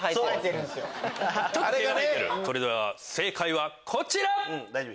それでは正解はこちら！